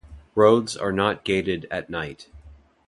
Roads are not gated at night.